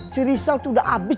si rizal tuh udah habis